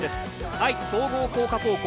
愛知総合工科高校